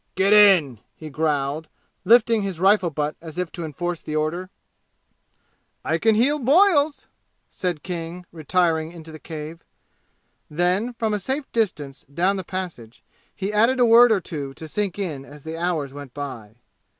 "Get in!" he growled, lifting his rifle butt as if to enforce the order. "I can heal boils!" said King, retiring into the cave. Then, from a safe distance down the passage, he added a word or two to sink in as the hours went by.